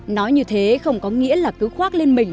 nói như thế không có nghĩa là cứ khoác lên mình